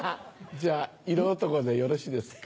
じゃあ色男でよろしいですか？